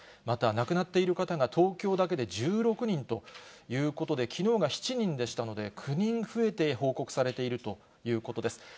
また、亡くなっている方が東京だけで１６人ということで、きのうが７人でしたので、９人増えて報告されているということです。